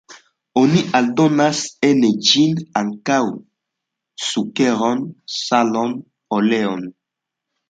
Oni aldonas en ĝin ankaŭ sukeron, salon, oleon.